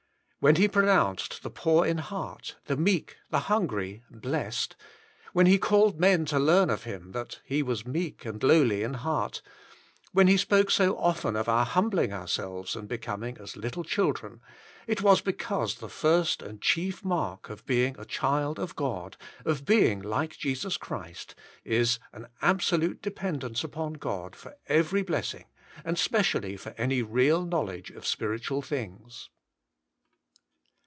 When He pronounced the poor in heart, the meek, the hungry,, "blessed,'' when He called men to learn of Him that He was meek and lowly in heart, when He spoke so often of our humbling ourselves and becoming as little children, it was because the first and chief mark of being a child of God, of being like Jesus Christ, is an Absolute Depend ence UPON God for Every Blessing^ and Specially for Any Eeal EInowledge of Spirit ual Things.